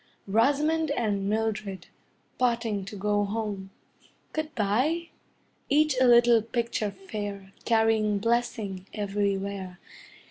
Rosamond and Mildred, parting to go home Good bye! Each a little picture fair, Carrying blessing everywhere.